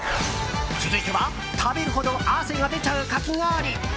続いては食べるほど汗が出ちゃうかき氷。